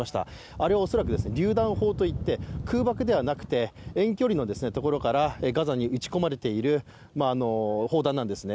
あれは恐らくりゅう弾砲といって空爆ではなくて遠距離のところからガザに撃ち込まれている砲弾なんですね。